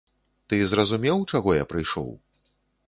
Ты зразумеў, чаго я прыйшоў?